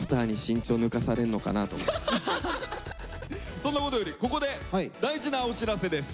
そんなことよりここで大事なお知らせです。